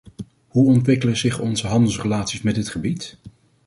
Hoe ontwikkelen zich onze handelsrelaties met dit gebied?